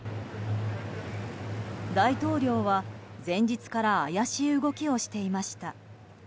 大統領は、前日から怪しい動きをしていました。